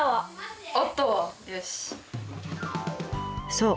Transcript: そう！